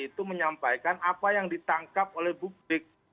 itu menyampaikan apa yang ditangkap oleh publik